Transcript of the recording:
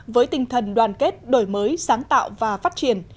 với tinh thần đoàn kết đổi mới sáng tạo và phát triển